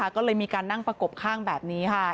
ก็เลยมีการนั่งประกบข้างแบบนี้ค่ะ